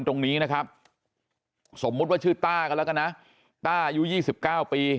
ตรงนี้นะครับสมมุติว่าชื่อต้ากันแล้วกันนะต้าอายุ๒๙ปี